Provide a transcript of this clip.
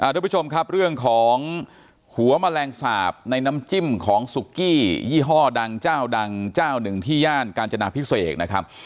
ทุกผู้ชมครับเรื่องของหัวแมลงสาปในน้ำจิ้มของสุกี้ยี่ห้อดังเจ้าดังเจ้าหนึ่งที่ย่านกาญจนาพิเศษนะครับ